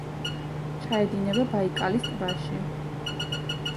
ჩაედინება ბაიკალის ტბაში.